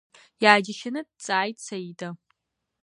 Иааџьашьаны дҵааит Саида.